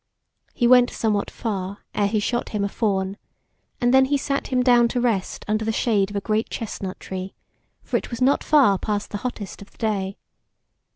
He went somewhat far ere he shot him a fawn, and then he sat him down to rest under the shade of a great chestnut tree, for it was not far past the hottest of the day.